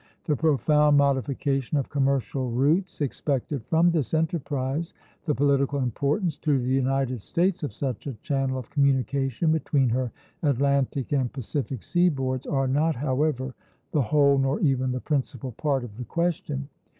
The profound modification of commercial routes expected from this enterprise, the political importance to the United States of such a channel of communication between her Atlantic and Pacific seaboards, are not, however, the whole nor even the principal part of the question.